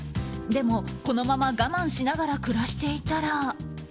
でも、このまま我慢しながら暮らしていたら。